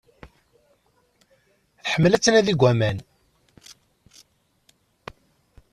Tḥemmel ad tnadi deg aman.